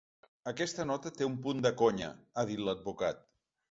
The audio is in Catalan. “Aquesta nota té un punt de conya”, ha dit l’advocat.